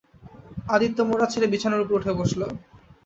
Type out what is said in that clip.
আদিত্য মোড়া ছেড়ে বিছানার উপর উঠে বসল।